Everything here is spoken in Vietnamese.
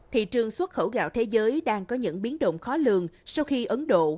thị trường xuất khẩu gạo thế giới đang có những biến động khó lường sau khi ấn độ